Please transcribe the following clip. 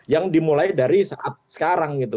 yang dimulai dari saat sekarang gitu